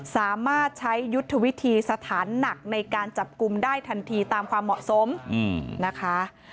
สามารถใช้ยุทธวิธีสถานหนักในการจับกลุ่มได้ทันทีตามความเหมาะสมนะคะ